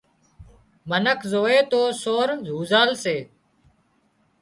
منک زووي تو سور هوزال سي